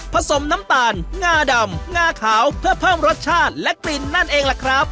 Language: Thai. สมน้ำตาลงาดำงาขาวเพื่อเพิ่มรสชาติและกลิ่นนั่นเองล่ะครับ